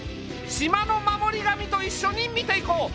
島の守り神と一緒に見ていこう。